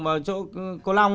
vào chỗ cô long ấy